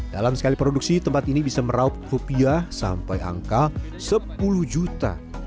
dalam sekali produksi tempat ini bisa meraup rupiah sampai angka sepuluh juta